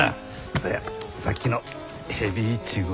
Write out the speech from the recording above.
そうやさっきのヘビイチゴはと。